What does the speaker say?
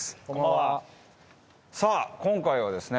さあ今回はですね